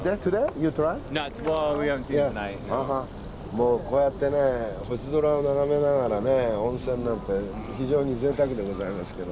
もうこうやってね星空を眺めながら温泉なんて非常にぜいたくでございますけど。